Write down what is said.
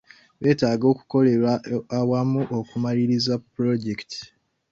Betaaga okukolera awamu okumaliriza pulojekiti.